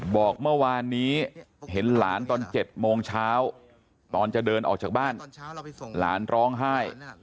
บอกเมื่อวานนี้เห็นหลานตอน๗โมงเช้าตอนจะเดินออกจากบ้านหลานร้องไห้